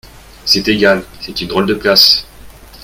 C’est égal, c’est une drôle de place !